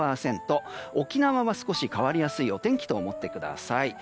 沖縄は少し変わりやすいお天気と思ってください。